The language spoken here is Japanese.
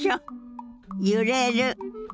揺れる。